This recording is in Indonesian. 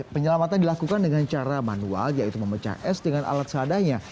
penyelamatan dilakukan dengan cara manual yaitu memecah es dengan alat seadanya